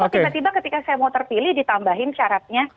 kok tiba tiba ketika saya mau terpilih ditambahin syaratnya